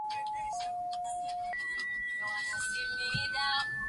vinnie alikuwa akipanda mashua namba mbili